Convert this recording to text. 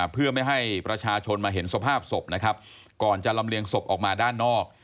เพื่อไม่ให้ประชาชนมาเห็นสภาพศพนะครับก่อนจะลำเลียงศพออกมาด้านนอก